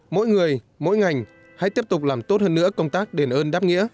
mỗi người mỗi ngành hãy tiếp tục làm tốt hơn nữa công tác đền ơn đáp nghĩa